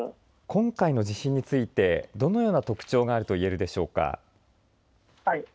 今回の地震についてどのような特徴があると言えるでしょうか。